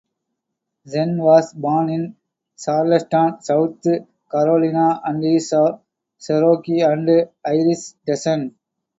Zen was born in Charleston, South Carolina, and is of Cherokee and Irish descent.